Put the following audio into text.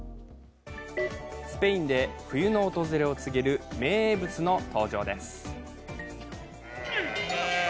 スペインで冬の訪れを告げる名物の登場です。